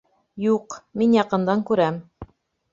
Юҡ, мин яҡындан күрәм